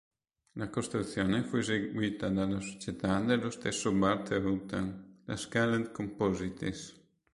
La costruzione fu eseguita dalla società dello stesso Burt Rutan, la Scaled Composites.